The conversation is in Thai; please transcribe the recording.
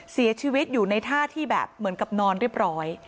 เสียชีวิตอยู่ในท่าที่แบบเหมือนกับนอนเรียบร้อย